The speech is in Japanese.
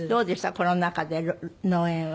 コロナ禍で農園は。